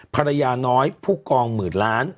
ภรรยาน้อยผู้กองหมื่นล้าน